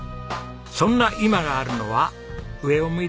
そんな今があるのは「上を向いて一緒に歩こう！」